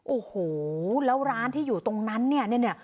โอ้โหแล้วร้านที่อยู่ตรงนั้นเนี่ยเนี่ย